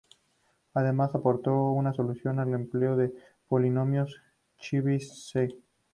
Además aportó una solución al empleo de polinomios Chebyshev.